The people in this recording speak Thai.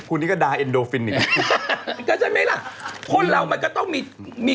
คุณนี้ก็ดาเอ็นโดฟินอย่างนี้